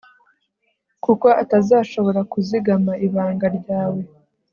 kuko atazashobora kuzigama ibanga ryawe